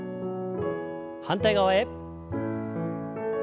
反対側へ。